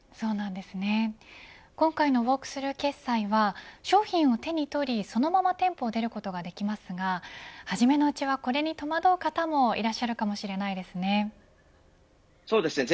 今回のウォークスルー決済は商品を手に取りそのまま店舗を出ることができますが初めのうちはこれに戸惑う方もいらっしゃるかもしれないですね。